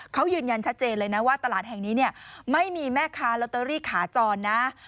เขายืนยันชัดเจนเลยนะว่าตลาดแห่งนี้เนี่ยไม่มีแม่ค้าลอตเตอรี่ขาจรนะ